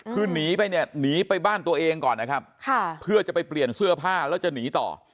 คือหนีไปเนี่ยหนีไปบ้านตัวเองก่อนนะครับเพื่อจะไปเปลี่ยนเสื้อผ้าแล้วจะหนีต่อ